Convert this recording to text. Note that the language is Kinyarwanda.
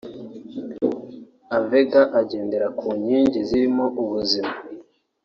Avega igendera ku nkingi zirimo ubuzima